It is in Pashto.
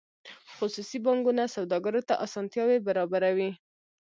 خصوصي بانکونه سوداګرو ته اسانتیاوې برابروي